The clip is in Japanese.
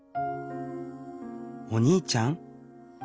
「お兄ちゃん？」